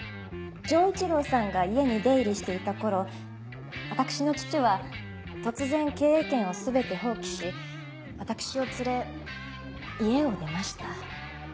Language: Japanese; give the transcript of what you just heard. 丈一郎さんが家に出入りしていた頃私の父は突然経営権を全て放棄し私を連れ家を出ました。